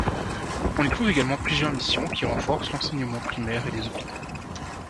On y trouve également plusieurs missions qui renforcent l'enseignement primaire et les hôpitaux.